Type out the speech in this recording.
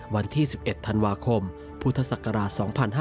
วันที่๑๑ธันวาคมพุทธศักราช๒๕๕๙